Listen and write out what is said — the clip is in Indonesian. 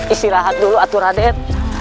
istirahat dulu atuh raden